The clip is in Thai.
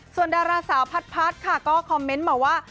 ส่วนดาราสาวพัดค่ะก็คอมเมนต์มาว่า